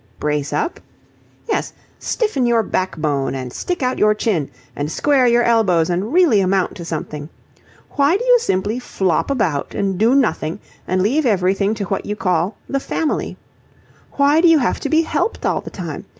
"Brace up?" "Yes, stiffen your backbone and stick out your chin, and square your elbows, and really amount to something. Why do you simply flop about and do nothing and leave everything to what you call 'the family'? Why do you have to be helped all the time?